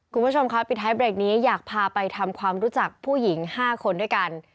คุณผู้ชมครับปิดท้ายเบรกนี้อยากพาไปทำความรู้จักผู้หญิง๕คนด้วยกัน